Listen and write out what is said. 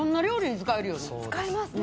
・使えますね。